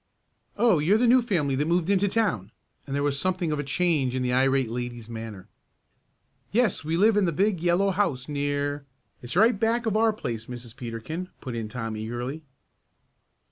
"Oh, you're the new family that moved into town?" and there was something of a change in the irate lady's manner. "Yes, we live in the big yellow house near " "It's right back of our place, Mrs. Peterkin," put in Tom eagerly.